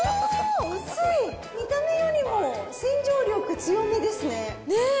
見た目よりも洗浄力強めですねぇ。